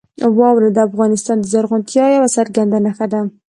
واوره د افغانستان د زرغونتیا یوه څرګنده نښه ده.